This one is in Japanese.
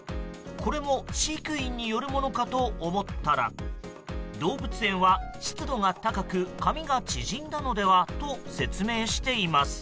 これも飼育員によるものかと思ったら動物園は湿度が高く髪が縮んだのではと説明しています。